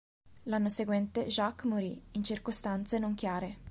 L'anno seguente Jacques morì, in circostanze non chiare.